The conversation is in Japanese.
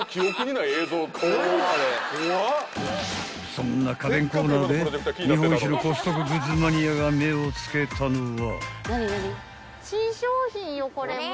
［そんな家電コーナーで日本一のコストコグッズマニアが目を付けたのは］